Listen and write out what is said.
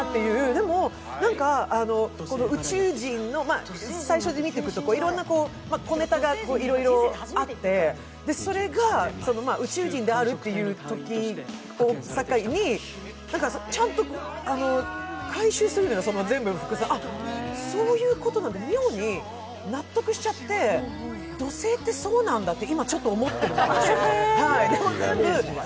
でも、宇宙人の、最初から見ていくといろんな小ネタがあってそれが、宇宙人であると言う時を境にちゃんと回収するのよ、全部の伏線あ、そういうことなんだ、妙に納得しちゃって、土星ってそうなんだって今、ちょっと思ってるのね。